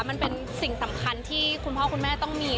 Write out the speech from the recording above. มันเป็นสิ่งสำคัญที่คุณพ่อคุณแม่ต้องมี